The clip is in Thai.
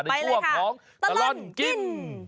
ในช่วงของตลอดกิน